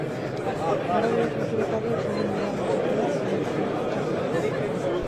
Ondorioz, bi pilotariek euren bigarren txapela bilatuko dute txapelketa honetan.